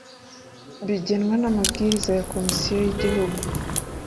bigenwa n amabwiriza ya Komisiyo y Igihugu